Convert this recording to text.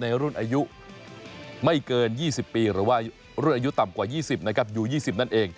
ในรุ่นอายุไม่เกิน๒๐ปีหรือว่ารุ่นอายุต่ำอยู่๒๐นั่นเอง